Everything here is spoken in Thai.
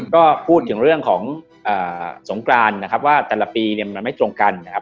ก็พูดถึงเรื่องของสงกรานนะครับว่าแต่ละปีเนี่ยมันไม่ตรงกันนะครับ